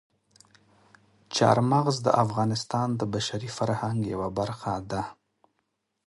چار مغز د افغانستان د بشري فرهنګ یوه برخه ده.